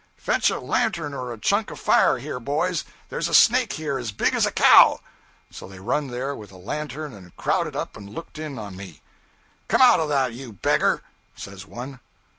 'Fetch a lantern or a chunk of fire here, boys there's a snake here as big as a cow!' So they run there with a lantern and crowded up and looked in on me. 'Come out of that, you beggar!' says one.